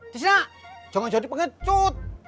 tisna jangan jadi pengecut